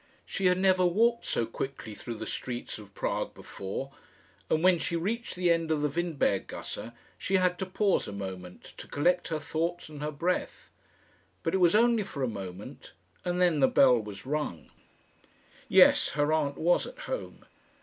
She had never walked so quickly through the streets of Prague before; and when she reached the end of the Windberg gasse, she had to pause a moment to collect her thoughts and her breath. But it was only for a moment, and then the bell was rung. Yes; her aunt was at home.